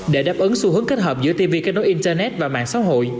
để đáp ứng xu hướng kết hợp giữa tv kết nối internet và mạng xã hội